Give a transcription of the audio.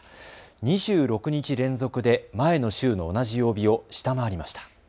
２６日連続で前の週の同じ曜日を下回りました。